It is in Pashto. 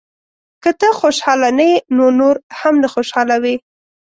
• که ته خوشحاله نه یې، نو نور هم نه خوشحالوې.